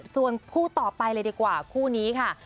ส่วนคู่ต่อไปเลยดีกว่าคู่นี้ค่ะ